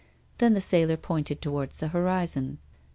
Then the sailor pointed towards the horizon.